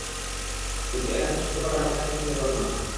কিন্তু এটা নিশ্চিত করাটা চাট্টিখানি কথা না।